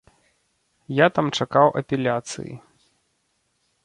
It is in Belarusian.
Я там чакаў апеляцыі.